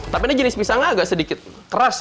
tapi ini jenis pisangnya agak sedikit keras